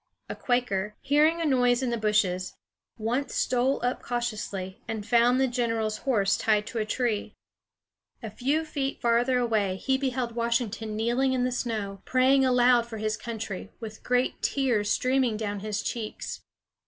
A Quaker, hearing a noise in the bushes, once stole up cautiously, and found the general's horse tied to a tree. A few feet farther away, he beheld Washington kneeling in the snow, praying aloud for his country, with great tears streaming down his cheeks.